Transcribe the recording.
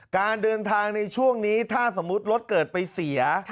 การเดินทางในช่วงนี้ถ้าสมมุติรถเกิดไปเสีย